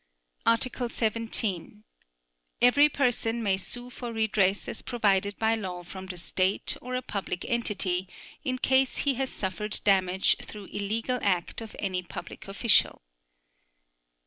Article 17. Every person may sue for redress as provided by law from the State or a public entity, in case he has suffered damage through illegal act of any public official.